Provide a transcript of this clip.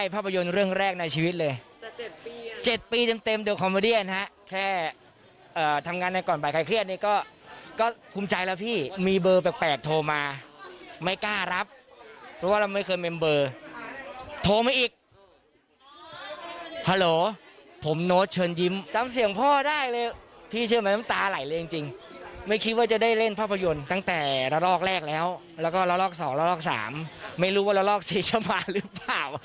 พี่เชื่อแม้น้ำตาไหลเลยจริงไม่คิดว่าจะได้เล่นภาพยนตร์ตั้งแต่ละลอกแรกแล้วแล้วก็ละลอกสองละลอกสามไม่รู้ว่าละลอกสี่ชั่วป่าหรือเปล่า